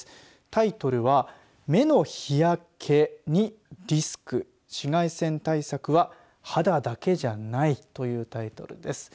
タイトルは目の日焼けにリスク紫外線対策は肌だけじゃない！というタイトルです。